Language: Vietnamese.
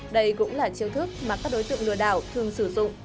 đây cũng là chiêu thức mà các đối tượng lừa đảo thường sử dụng